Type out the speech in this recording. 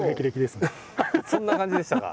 そんな感じでしたか？